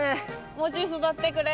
もうちょい育ってくれ。